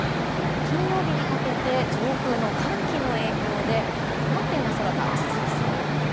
金曜日にかけて上空の寒気の影響で不安定な空が続きそうなんですね。